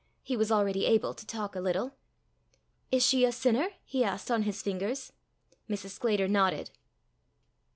He was already able to talk a little. "Is she a sinner?" he asked on his fingers. Mrs. Sclater nodded.